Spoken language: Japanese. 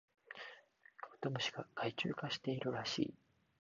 カブトムシが害虫化しているらしい